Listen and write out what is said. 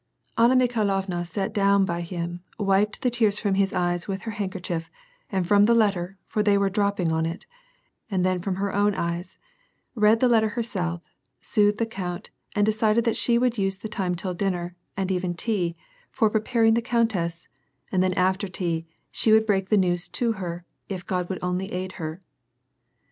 " Anna Mikhailovna sat down by him, wiped the tears from his eyes with her handkerchief, and from the letter, for they were dropping on it, and then from her own eyes, read the letter herself, soothed the count, and decided that she would use the time till dinner, and even tea, for preparing the coun tess, and then after tea, she would break the news to her, if God would only aid her.